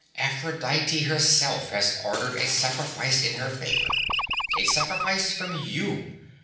"Aphrodite herself has ordered a sacrifice in her favor. A sacrifice from you.